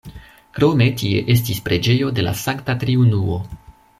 Krome tie estis preĝejo de la Sankta Triunuo.